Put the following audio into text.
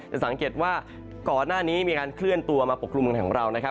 จะสังเกตว่าก่อนหน้านี้มีการเคลื่อนตัวมาปกดุมของเรา